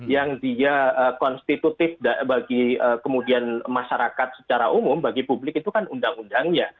yang dia konstitusi bagi kemudian masyarakat secara umum bagi publik itu kan undang undangnya